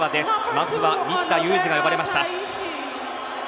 まずは西田有志が呼ばれました。